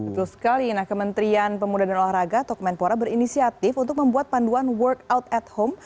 betul sekali nah kementerian pemuda dan olahraga atau kemenpora berinisiatif untuk membuat panduan workout at home